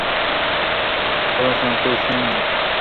সবাই খানিকটা বিশ্রাম নিন।